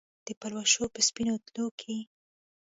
د پلوشو په سپینو تلو کې